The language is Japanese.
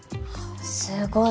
すごい。